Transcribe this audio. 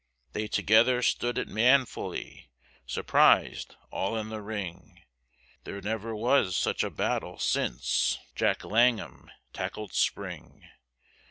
They together stood it manfully, Surprised all in the ring, There was never such a battle, since Jack Langham tackled Spring.